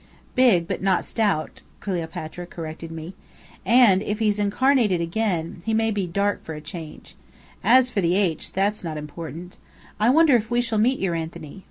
"Big, but not stout," Cleopatra corrected me. "And and if he's incarnated again, he may be dark for a change. As for the 'H', that's not important. I wonder if we shall meet your Anthony?